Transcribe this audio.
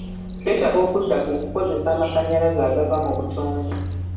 Twetaaga okudda ku kukozesa amasannyalaze agava mu butonde.